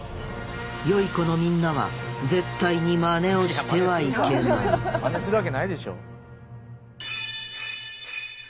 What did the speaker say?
良い子のみんなは絶対にマネをしてはいけないマネするわけないでしょ。